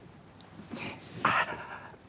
ああ。